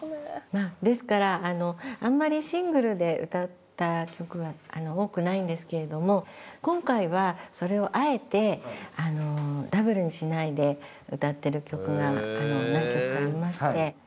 まあですからあんまりシングルで歌った曲は多くないんですけれども今回はそれをあえてダブルにしないで歌ってる曲が何曲かありまして。